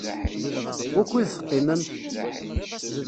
Wukud teqqimem?